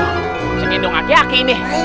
saya gendong aki aki nih